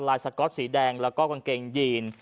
สก๊อตสีแดงแล้วก็กางเกงยีน